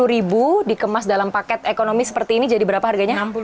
sepuluh ribu dikemas dalam paket ekonomi seperti ini jadi berapa harganya